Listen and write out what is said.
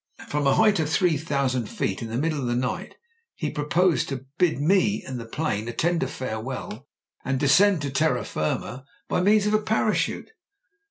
'Trom a height of three thousand feet, in the middle of the night, he proposed to bid me and the plane a tender farewell and descend to terra firma by means of a parachute.'